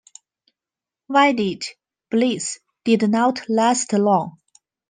Wedded bliss did not last long.